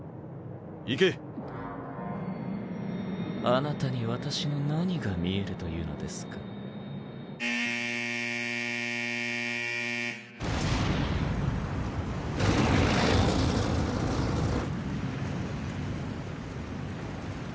行けあなたに私の何が見えるといブーーッ！